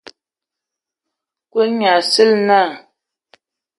Kulu nye ai Asǝlǝg naa.